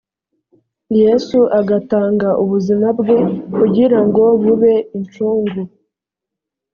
yesu agatanga ubuzima bwe kugira ngo bube incungu